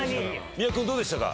三宅君どうでしたか？